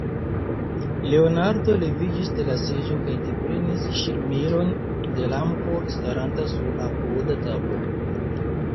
Leonardo leviĝis de la seĝo kaj deprenis ŝirmilon de lampo, staranta sur apuda tablo.